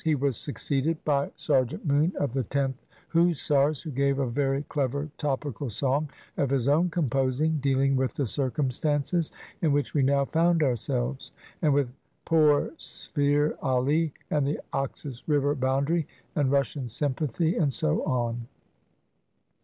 He was succeeded by Sergeant Moon, of the Tenth Hussars, who gave a very clever topical song of his own composing, dealing with the circumstances in which we now found ourselves, and with poor Shere AH, and the Oxus River boundary, and Russian sympathy, and so on.